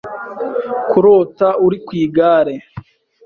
Kurota uri ku igare.